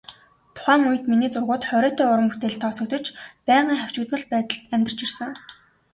Тухайн үед миний зургууд хориотой уран бүтээлд тооцогдож, байнгын хавчигдмал байдалд амьдарч ирсэн.